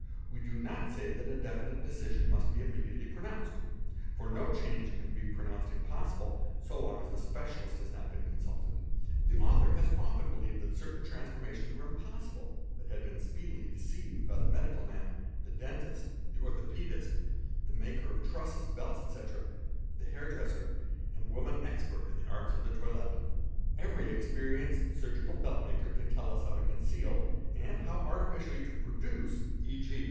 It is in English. We do not say that a definite decision must be immediately pronounced, for no change can be pronounced impossible so long as the specialist has not been consulted. u The author has often believed that certain transformations were im. possible, but been speedily deceived by the medical man, the dentist, th orthopaidist, the maker of trusses, belts, etc., the hair dresser, and womar expert in the arts of the toilette. very experienced surgical belt make can tell us how to conceal and how artificially to produce, e.g.